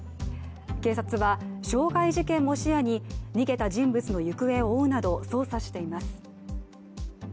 警察は傷害事件も視野に逃げた人物の行方を追うなど捜査しています。